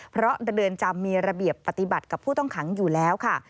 เพราะเรือนจำมีระเบียบปฏิบัติกับผู้ต้องขังอยู่แล้วค่ะ